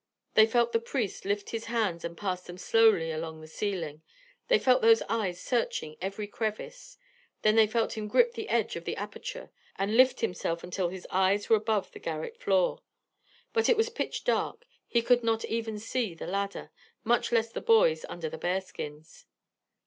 They felt the priest lift his hands and pass them slowly along the ceiling, they felt those eyes searching every crevice. Then they felt him grip the edge of the aperture and lift himself until his eyes were above the garret floor. But it was pitch dark. He could not even see the ladder, much less the boys under the bear skins.